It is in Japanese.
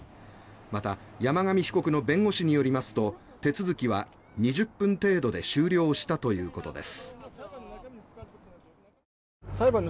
また山上被告の弁護士によりますと手続きは２０分程度で終了したということです。